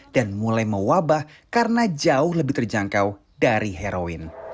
mulai mewabah karena jauh lebih terjangkau dari heroin